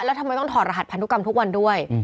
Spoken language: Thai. แล้วทำไมต้องถอดรหัสพันธุกรรมทุกวันด้วย